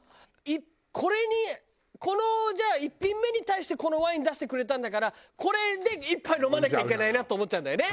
これにこのじゃあ１品目に対してこのワイン出してくれたんだからこれで１杯飲まなきゃいけないなって思っちゃうんだよね。